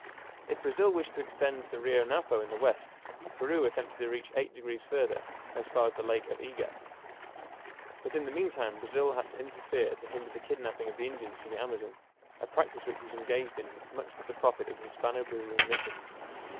If Brazil wished to extend to the Rio Napo in the west, Peru attempted to reach eight degrees further, as far as the Lake of Ega. But in the meantime Brazil had to interfere to hinder the kidnaping of the Indians from the Amazon, a practice which was engaged in much to the profit of the Hispano Brazilian missions.